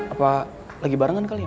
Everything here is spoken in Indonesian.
apa lagi barangan kali ya